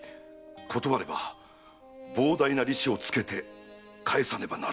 断れば膨大な利子をつけて返さねばならぬ！